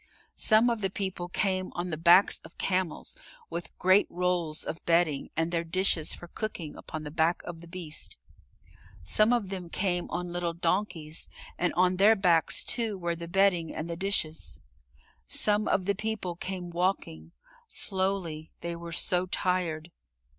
Some of the people came on the backs of camels, with great rolls of bedding and their dishes for cooking upon the back of the beast. Some of them came on little donkeys, and on their backs too were the bedding and the dishes. Some of the people came walking slowly; they were so tired.